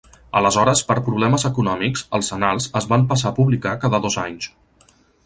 Aleshores, per problemes econòmics, els Annals es van passar a publicar cada dos anys.